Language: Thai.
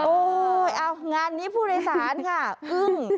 งานนี้ผู้โดยสารค่ะอึ้ง